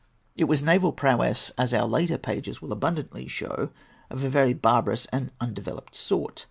It was naval prowess, as our later pages will abundantly show, of a very barbarous and undeveloped sort.